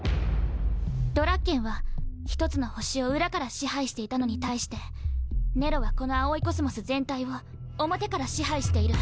ドラッケンは１つの星を裏から支配していたのに対してネロはこの葵宇宙全体を表から支配している。